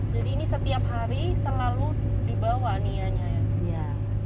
jadi ini setiap hari selalu di bawah nia nya ya